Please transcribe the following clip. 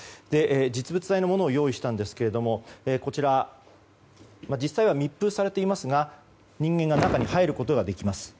実物大のものを用意したんですけどこちら、実際は密封されていますが人間が中に入ることができます。